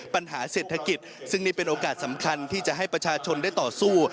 ปัญหาเศรษฐกิจซึ่งนี่เป็นโอกาสสำคัญที่จะให้ประชาชนได้ต่อสู้